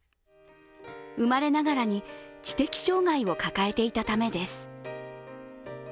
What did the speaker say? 生まれながらに知的障害を抱えていたためです。